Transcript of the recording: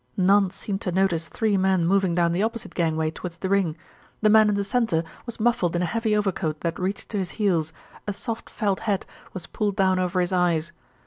None seemed to notice three men moving down the opposite gangway towards the ring. The man in the centre was muffled in a heavy overcoat that reached to his heels, a soft felt hat was pulled down over his eyes.